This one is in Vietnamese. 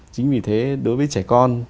chính vì thế đối với trẻ con